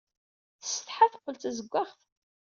Tessetḥa, teqqel d tazewwaɣt.